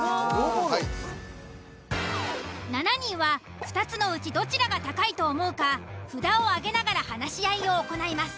７人は２つのうちどちらが高いと思うか札を挙げながら話し合いを行います。